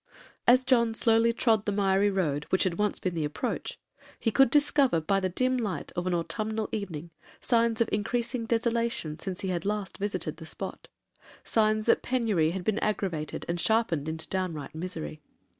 As John slowly trod the miry road which had once been the approach, he could discover, by the dim light of an autumnal evening, signs of increasing desolation since he had last visited the spot,—signs that penury had been aggravated and sharpened into downright misery.